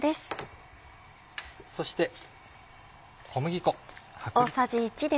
そして小麦粉。